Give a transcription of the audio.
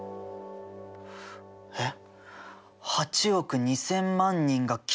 えっ。